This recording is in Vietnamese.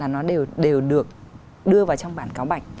nó đều được đưa vào trong bản cáo bạch